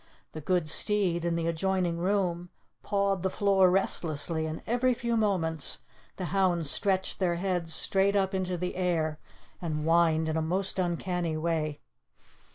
The good steed, in the adjoining room, pawed the floor restlessly, and every few moments the hounds stretched their heads straight up into the air, and whined in a most uncanny way.